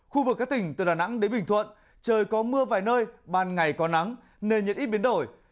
khu vực các tỉnh từ đà nẵng đến bình thuận trời có mưa vài nơi ban ngày có nắng nền nhiệt ít biến đổi